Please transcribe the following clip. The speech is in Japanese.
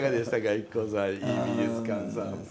ＩＫＫＯさん井伊美術館さん。